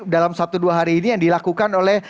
dalam satu dua hari ini yang dilakukan oleh